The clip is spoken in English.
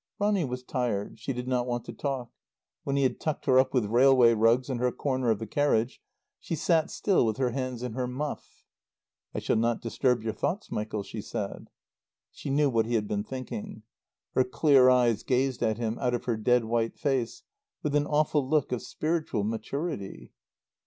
Ronny was tired. She did not want to talk. When he had tucked her up with railway rugs in her corner of the carriage she sat still with her hands in her muff. "I shall not disturb your thoughts, Michael," she said. She knew what he had been thinking. Her clear eyes gazed at him out of her dead white face with an awful look of spiritual maturity.